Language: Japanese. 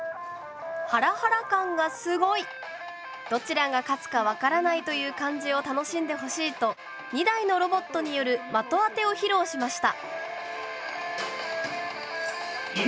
ハラハラ感がすごい！どちらが勝つか分からないという感じを楽しんでほしいと２台のロボットによる的あてを披露しました。